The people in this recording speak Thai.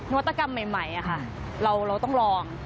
วัตกรรมใหม่เราต้องลอง